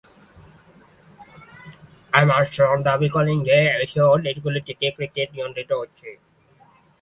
Emerson দাবী করেন যে, এশীয় দেশগুলো থেকে ক্রিকেট নিয়ন্ত্রিত হচ্ছে।